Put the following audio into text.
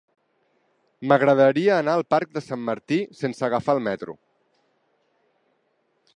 M'agradaria anar al parc de Sant Martí sense agafar el metro.